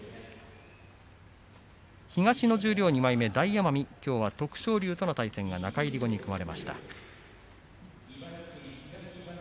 東の十両２枚目大奄美きょうは徳勝龍との対戦が中入り後に組まれました。